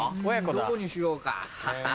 どこにしようかハハハ。